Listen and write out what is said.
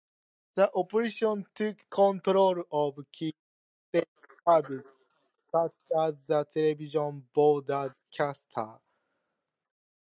The opposition took control of key state services such as the television broadcaster.